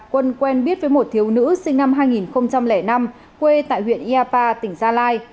quân quen biết với một thiếu nữ sinh năm hai nghìn năm quê tại huyện yapa tỉnh gia lai